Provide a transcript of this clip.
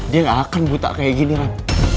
dia gak akan buta kayak gini kan